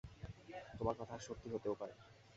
তোমার কথা সত্যি হতেও পারে।